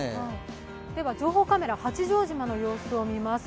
情報カメラ、八丈島の様子を見ます